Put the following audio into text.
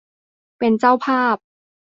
เป็นเจ้าภาพ